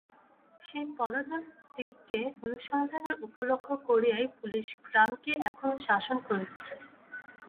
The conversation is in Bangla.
সেই পলাতকদিগকে সন্ধানের উপলক্ষ করিয়াই পুলিস গ্রামকে এখনো শাসন করিতেছে।